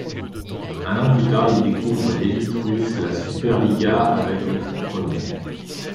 Un an plus tard, il découvre l'élite russe, la Superliga, avec l'équipe première.